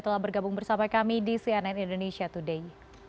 telah bergabung bersama kami di cnn indonesia today